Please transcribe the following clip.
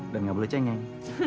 dan nggak boleh cengeng